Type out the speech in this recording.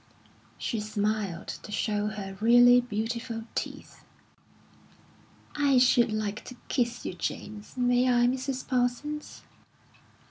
She smiled to show her really beautiful teeth. "I should like to kiss you, James. May I, Mrs. Parsons?"